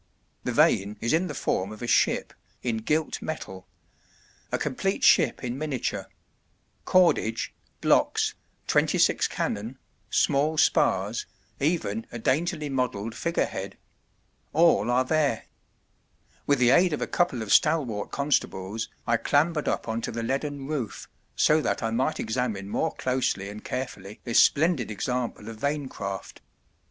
The vane is in the form of a ship, in gilt metal: a complete ship in miniature cordage, blocks, twenty six cannon, small spars, even a daintily modelled figurehead: all are there. With the aid of a couple of stalwart constables I clambered up on to the leaden roof, so that I might examine more closely and carefully this splendid example of vane craft.